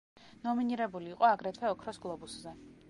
ნომინირებული იყო აგრეთვე ოქროს გლობუსზე.